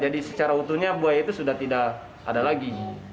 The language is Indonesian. jadi secara utuhnya buaya itu sudah tidak ada lagi